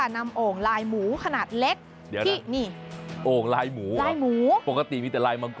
นำโอ่งลายหมูขนาดเล็กที่นี่โอ่งลายหมูลายหมูปกติมีแต่ลายมัง